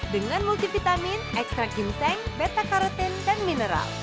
dengan multivitamin ekstrak ginseng beta karotin dan mineral